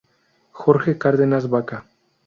Jorge Cárdenas Vaca.